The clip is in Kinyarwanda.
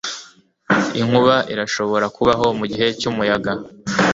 Inkuba irashobora kubaho mugihe c'umuyaga.